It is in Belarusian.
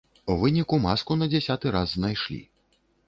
У выніку маску на дзясяты раз знайшлі.